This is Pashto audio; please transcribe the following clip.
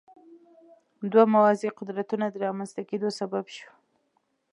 دوه موازي قدرتونو د رامنځته کېدو سبب شو.